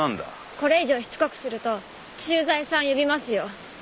これ以上しつこくすると駐在さん呼びますよ。